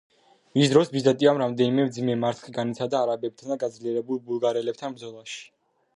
მის დროს ბიზანტიამ რამდენიმე მძიმე მარცხი განიცადა არაბებთან და გაძლიერებულ ბულგარელებთან ბრძოლაში.